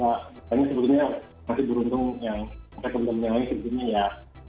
tapi sebetulnya masih beruntung yang pakai teman teman yang lain sebetulnya ya